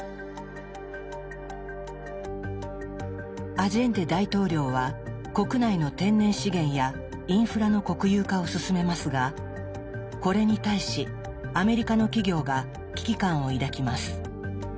アジェンデ大統領は国内の天然資源やインフラの国有化を進めますがこれに対しアメリカの企業が危機感を抱きます。